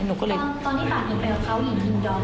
ตอนนี้ฝากหญิงไปกับเขาหญิงยอมไหมครับ